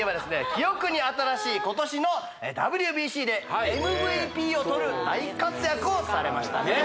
記憶に新しい今年のＷＢＣでＭＶＰをとる大活躍をされましたね